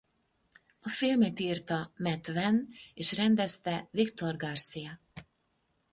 A filmet írta Matt Venne és rendezte Victor Garcia.